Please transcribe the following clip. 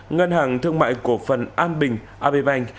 ngân hàng thương mại cổ phần an bình abibank